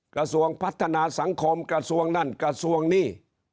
กระทรวงพัฒนาสังคมกระทรวงนั่นกระทรวงนี่